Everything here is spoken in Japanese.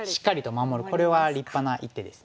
これは立派な一手ですね。